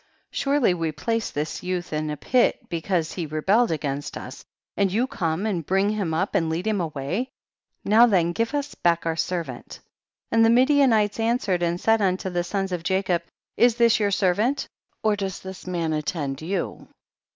surely we placed this youth in the pit because he rebelled against us, and you come and bring him up and lead him away; now then give us back our servant. 9. And the Midianites answered and said unto the sons of Jacob, is this your servant, or does this man attend you